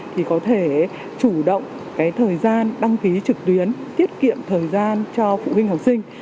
thì có thể chủ động cái thời gian đăng ký trực tuyến tiết kiệm thời gian cho phụ huynh học sinh